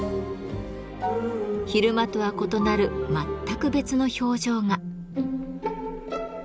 昼間とは異なる全く別の表情が。